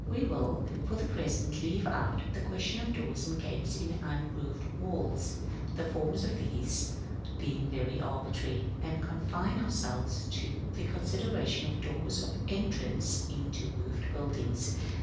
We will, for the present, leave out of the question doors and gates in unroofed walls, the forms of these being very arbitrary, and confine ourselves to the consideration of doors of entrance into roofed buildings.